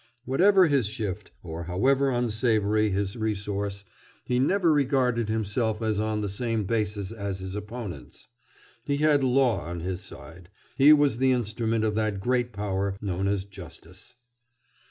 Whatever his shift, or however unsavory his resource, he never regarded himself as on the same basis as his opponents. He had Law on his side; he was the instrument of that great power known as Justice.